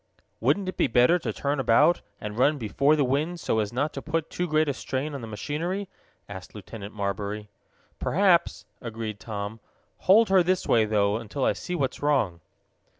"Wouldn't it be better to turn about, and run before the wind, so as not to put too great a strain on the machinery?" asked Lieutenant Marbury. "Perhaps," agreed Tom. "Hold her this way, though, until I see what's wrong!"